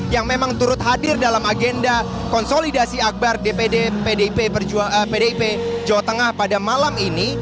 yang memang turut hadir dalam agenda konsolidasi akbar dpdp jawa tengah pada malam ini